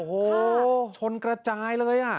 โอ้โหชนกระจายเลยอ่ะ